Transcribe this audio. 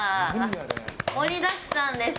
盛りだくさんです。